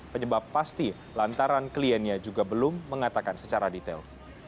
penyebab pasti lantaran kliennya juga belum mengatakan secara detail